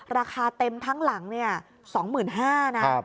ราคาเต็มทั้งหลัง๒๕๐๐บาทนะ